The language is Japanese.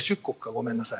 ごめんなさい。